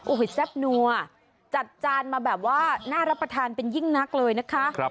โอ้โหแซ่บนัวจัดจานมาแบบว่าน่ารับประทานเป็นยิ่งนักเลยนะคะ